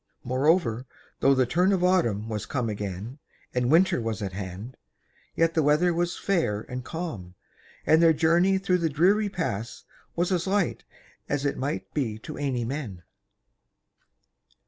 Moreover, though the turn of autumn was come again and winter was at hand, yet the weather was fair and calm, and their journey through the dreary pass was as light as it might be to any men.